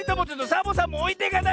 サボさんもおいてかないで！